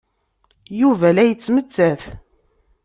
Yuba la yettmettat.